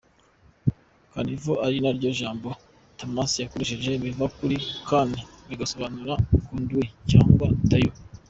“Caniveau” ari na ryo jambo Tomasi yakoresheje, biva kuri “canne”, bigasobanura “conduit” cyangwa “tuyau”.